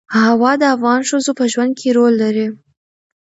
هوا د افغان ښځو په ژوند کې رول لري.